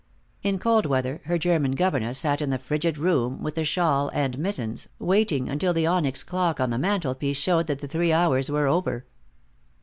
In cold weather her German governess sat in the frigid room, with a shawl and mittens, waiting until the onyx clock on the mantel piece showed that the three hours were over.